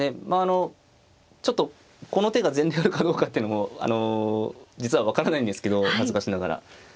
まあちょっとこの手が前例かどうかっていうのも実は分からないんですけど恥ずかしながら。